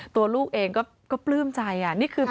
ตัวลูกเองก็ปลื้มใจ